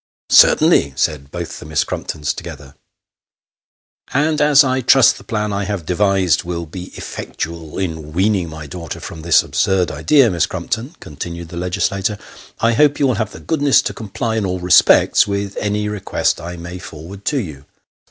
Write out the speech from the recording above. " Certainly," said both the Miss Crumptons together. " And as I trust the plan I have devised will be effectual in weaning my daughter from this absurd idea, Miss Crumpton," continued the legislator, " I hope you will have the goodness to comply, in all respects, with any request I may forward to you."